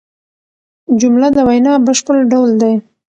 جمله د وینا بشپړ ډول دئ.